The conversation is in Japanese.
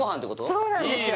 そうなんです